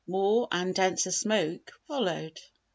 More and denser smoke followed.